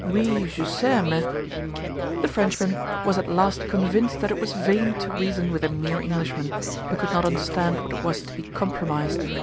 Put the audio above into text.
"Oui, je sais, mais—" The Frenchman was at last convinced that it was vain to reason with a mere Englishman, who could not understand what it was to be "compromised."